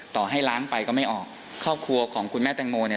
ต่อให้ล้างไปก็ไม่ออกครอบครัวของคุณแม่แตงโมเนี่ย